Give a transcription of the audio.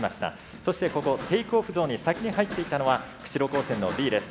そしてここテイクオフゾーンに先に入っていったのは釧路高専のＢです。